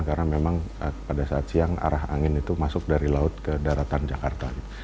karena memang pada saat siang arah angin itu masuk dari laut ke daratan jakarta